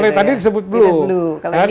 kalau tadi disebut blue